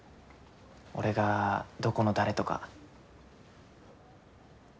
俺がどこの誰とか。